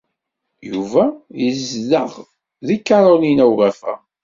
Yuba yezdeɣ deg Carolina n Ugafa.